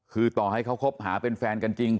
คือต่อให้เขาคบหาเป็นแฟนกันจริง